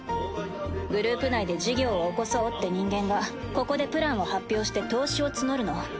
グループ内で事業を起こそうって人間がここでプランを発表して投資を募るの。